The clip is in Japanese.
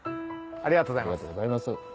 ありがとうございます。